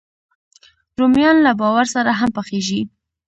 رومیان له بارو سره هم پخېږي